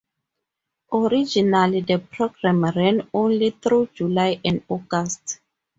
Originally, the programme ran only through July and August.